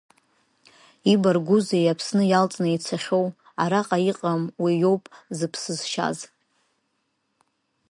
Ибаргәызеи Аԥсны иалҵны ицахьоу, араҟа иҟам уи иоуп зыԥсы зшьаз!